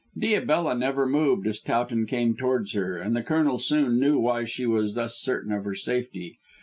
Diabella never moved as Towton came towards her, and the Colonel soon knew why she was thus certain of her safety.